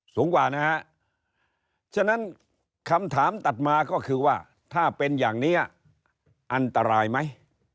สูงกว่านะฮะฉะนั้นคำถามตัดมาก็คือว่าถ้าเป็นอย่างนี้อันตรายไหม